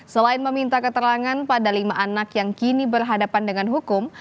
selain meminta keterangan pada lima anak yang kini berhadapan dengan hukum